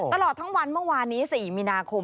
ตลอดทั้งวันเมื่อวานนี้๔มีนาคม